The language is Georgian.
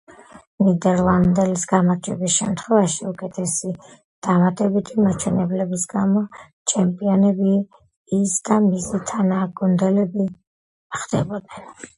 ნიდერლანდელის გამარჯვების შემთხვევაში, უკეთესი დამატებითი მაჩვენებლების გამო, ჩემპიონები ის და მისი თანაგუნდელები ხდებოდნენ.